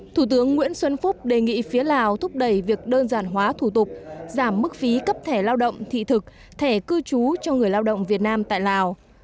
thủ tướng nguyễn xuân phúc đề nghị phía lào thúc đẩy việc đơn giản hóa thủ tục giảm mức phí cấp thẻ lao động thị thực thẻ cư trú cho người lao động việt nam tại lào